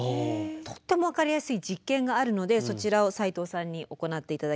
とっても分かりやすい実験があるのでそちらを斎藤さんに行って頂きます。